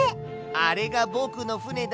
あれがぼくのふねだ。